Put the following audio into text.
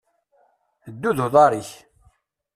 Ddu d uḍaṛ-ik!